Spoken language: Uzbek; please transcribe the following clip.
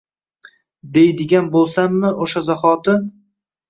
Deydigan bo’lsammi, o’sha zahoti